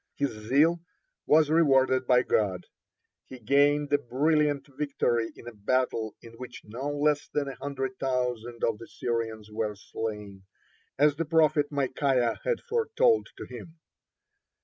His zeal was rewarded by God; he gained a brilliant victory in a battle in which no less than a hundred thousand of the Syrians were slain, as the prophet Micaiah had foretold to him.